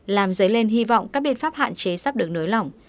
làm dấy lên hy vọng các biện pháp hạn chế sắp được nới lỏng